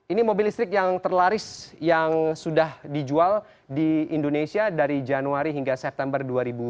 ini mobil listrik yang terlaris yang sudah dijual di indonesia dari januari hingga september dua ribu dua puluh